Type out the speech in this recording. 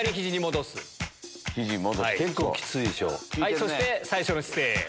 そして最初の姿勢へ。